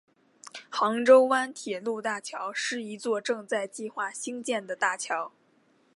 杭州湾铁路大桥是一座正在计划兴建的大桥。